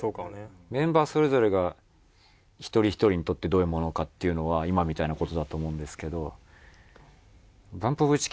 メンバーそれぞれが１人１人にとってどういうものかっていうのは今みたいな事だと思うんですけど。